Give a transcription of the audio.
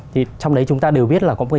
thì trong đấy chúng ta đều biết là có một cái